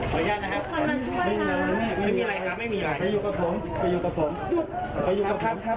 พี่พี่พี่อย่าไปถ่าย